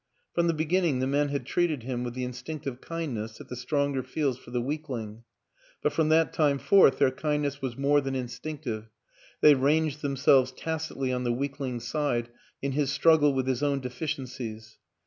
From the beginning the men had treated him with the in stinctive kindness that the stronger feels for the weakling, but from that time forth their kindness was more than instinctive ; they ranged themselves tacitly on the weakling's side in his struggle with his own deficiencies.